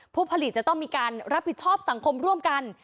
ผู้ผลิตจะต้องมีการรับผิดชอบสังคมร่วมกัน